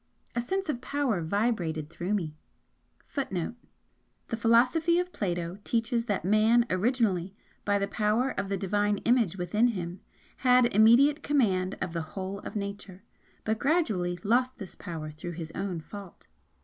A sense of power vibrated through me [Footnote: The philosophy of Plato teaches that Man originally by the power of the Divine Image within him could control all Nature, but gradually lost this power through his own fault.